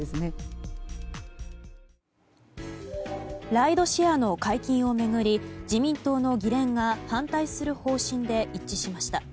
ライドシェアの解禁を巡り自民党の議連が反対する方針で一致しました。